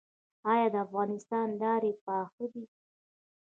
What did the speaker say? آیا د افغانستان لارې پاخه دي؟